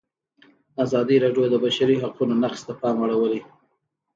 ازادي راډیو د د بشري حقونو نقض ته پام اړولی.